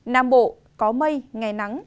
nam bộ có mây ngày nắng